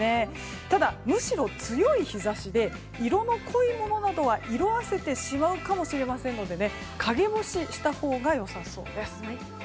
ただ、むしろ強い日差しで色の濃いものなどは色あせてしまうかもしれませんので陰干ししたほうが良さそうです。